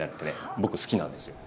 僕好きなんですよ。